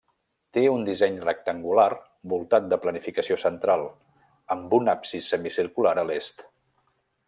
Té un disseny rectangular voltat de planificació central, amb un absis semicircular a l'est.